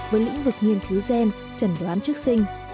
với lĩnh vực nghiên cứu gen trần đoán trước sinh